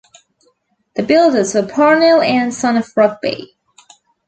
The builders were Parnell and Son of Rugby.